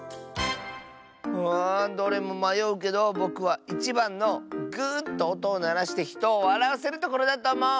あどれもまようけどぼくは１ばんの「ぐとおとをならしてひとをわらわせるところ」だとおもう！